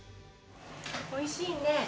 おいしいね。